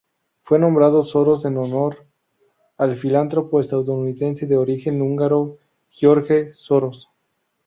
Fue nombrado Soros en honor al filántropo estadounidense de origen húngaro George Soros.